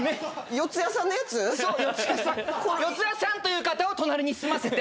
四谷さんというかたを隣に住ませて。